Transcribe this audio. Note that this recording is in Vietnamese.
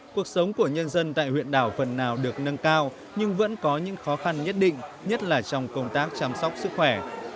cuộc sống của nhân dân tại huyện đảo phần nào được nâng cao nhưng vẫn có những khó khăn nhất định nhất là trong công tác chăm sóc sức khỏe